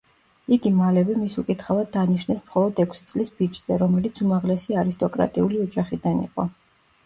იგი მალევე მის უკითხავად დანიშნეს მხოლოდ ექვსი წლის ბიჭზე, რომელიც უმაღლესი არისტოკრატიული ოჯახიდან იყო.